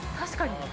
◆確かに。